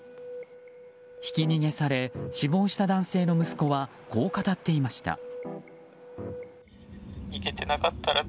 ひき逃げされ死亡した男性の息子はこう語っていました。